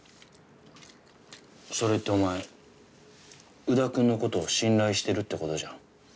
それってお前宇田くんの事を信頼してるって事じゃ。